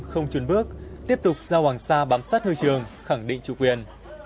không chuẩn bước tiếp tục giao hoàng sa bám sát hơi trường khẳng định chủ quyền